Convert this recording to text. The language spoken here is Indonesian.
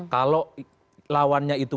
kalau lawannya itu